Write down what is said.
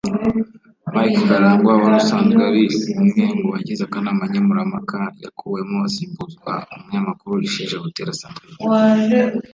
Mike karangwa wari usanzwe ari umwe mu bagize akanama nkemurampaka yakuwemo asimbuzwa umunyamakuru Isheja Butera Sandrine